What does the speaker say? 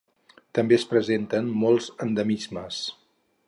També es presenten molts endemismes.